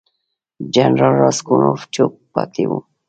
جنرال راسګونوف چوپ پاتې وو.